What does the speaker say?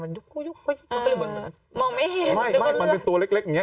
มันยุกมันก็เลยเหมือนมันมองไม่เห็นไม่มันเป็นตัวเล็กอย่างเงี้ย